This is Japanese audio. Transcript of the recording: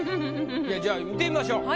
じゃあ見てみましょう。